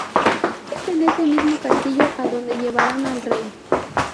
Es en ese mismo castillo a donde llevarán al rey.